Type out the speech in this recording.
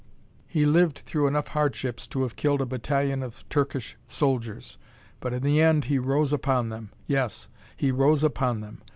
He lived through enough hardships to have killed a battalion of Turkish soldiers, but in the end he rose upon them. Yes, he rose upon them.